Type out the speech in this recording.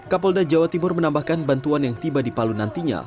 kapolda jawa timur menambahkan bantuan yang tiba di palu nantinya